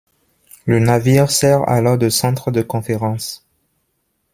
Le navire sert alors de centre de conférences.